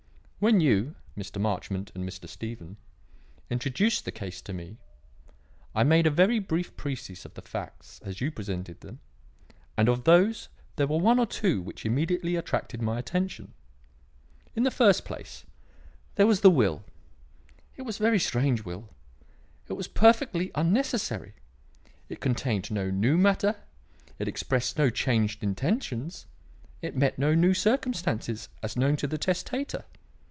"When you, Mr. Marchmont and Mr. Stephen, introduced the case to me, I made a very brief précis of the facts as you presented them, and of these there were one or two which immediately attracted my attention. In the first place, there was the will. It was a very strange will. It was perfectly unnecessary. It contained no new matter; it expressed no changed intentions; it met no new circumstances, as known to the testator.